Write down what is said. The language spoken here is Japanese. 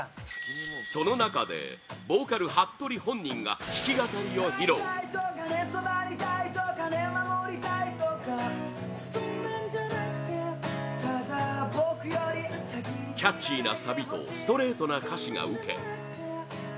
その中でボーカルはっとり本人が弾き語りを披露キャッチーなサビとストレートな歌詞が受け